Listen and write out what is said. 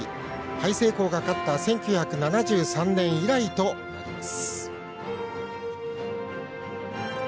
ハイセイコーが勝った１９７３年以来となります。